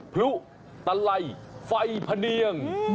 พลุตะไหลไฟพะเนียง